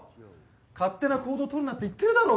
勝手な行動取るなって言ってるだろうが！